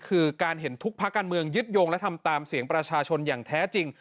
คือการเห็นทุกภาคการเมืองยึดโยงและทำตามเสียงประชาชนอย่างแท้จริง